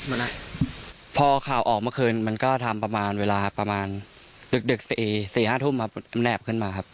ไม่เจอเพราะว่าผู้ร้ายเขานำการเผาทิ้งไปแล้วตั้งแต่เมื่อคืนครับ